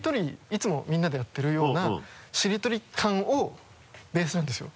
いつもみんなでやってるようなしりとり感をベースなんですよ。